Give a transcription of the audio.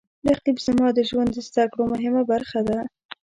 رقیب زما د ژوند د زده کړو مهمه برخه ده